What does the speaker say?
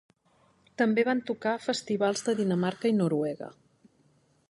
També van tocar a festivals de Dinamarca i Noruega.